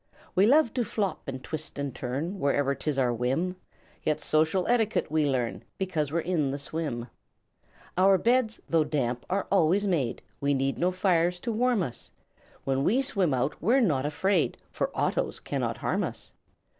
"We love to flop and twist and turn Whenever 'tis our whim. Yet social etiquette we learn Because we're in the swim. "Our beds, though damp, are always made; We need no fires to warm us; When we swim out we're not afraid, For autos cannot harm us.